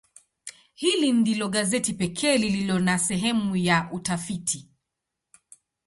Hili ndilo gazeti pekee lililo na sehemu ya utafiti.